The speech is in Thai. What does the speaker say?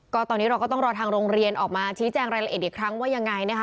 ก็ตอนนี้เราก็ต้องรอทางโรงเรียนออกมาชี้แจงรายละเอียดอีกครั้งว่ายังไงนะคะ